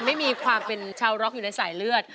ไม่มีความเป็นชาวร็อกอยู่ในสายเลือด